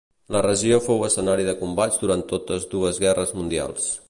La regió fou escenari de combats durant totes dues guerres mundials.